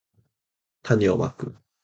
たねをまく